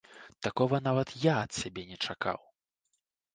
Такога нават я ад сябе не чакаў!